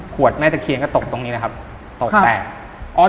ขวดแม่จักรเคียงก็ตกตรงนี้แหละครับตกแตก